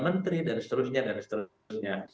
menteri dan seterusnya dan seterusnya